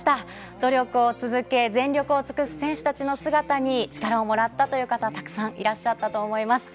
努力を続け、全力を尽くす選手たちの姿に力をもらったという方、たくさんいるかと思います。